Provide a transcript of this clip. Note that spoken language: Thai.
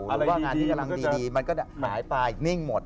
หรือว่างานที่กำลังดีมันก็จะหายไปนิ่งหมด